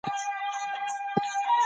ږلۍ نه شي کولای چې دغه پاڼه ماته کړي.